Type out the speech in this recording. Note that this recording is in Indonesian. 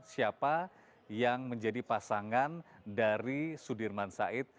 siapa yang menjadi pasangan dari sudirman said